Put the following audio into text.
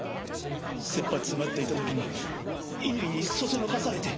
切羽詰まっていた時に乾にそそのかされて！